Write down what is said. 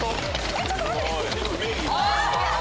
ちょっと待って。